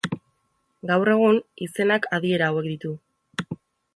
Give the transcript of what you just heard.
Gaur egun, izenak adiera hauek ditu.